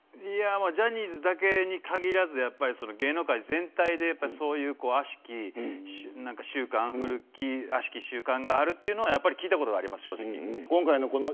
ジャニーズだけに限らず芸能界全体でそういう悪しき習慣があるというのは聞いたことがあります、正直。